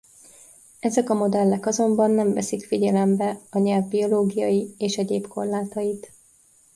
Ezek a modellek azonban nem veszik figyelembe a nyelv biológiai és egyéb korlátait.